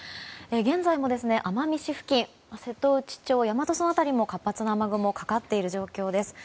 現在も奄美市付近瀬戸内町付近で活発な雨雲がかかっている状況です。